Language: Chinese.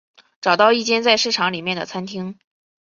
找到一间在市场里面的餐厅